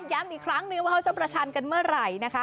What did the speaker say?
ย้ำอีกครั้งนึงว่าเขาจะประชันกันเมื่อไหร่นะคะ